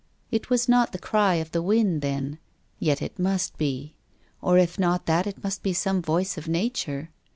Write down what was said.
It was not the cry of the wind then. Yet it must be. Or if not that it must be some voice of nature.